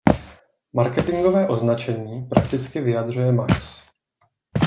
Marketingové označení prakticky vyjadřuje max.